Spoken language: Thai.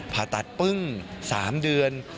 ผ่าตัดปึ้ง๓เดือน